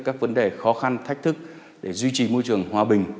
các vấn đề khó khăn thách thức để duy trì môi trường hòa bình